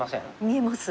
見えます。